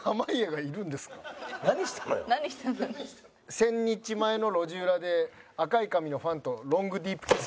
千日前の路地裏で赤い髪のファンとロングディープキス。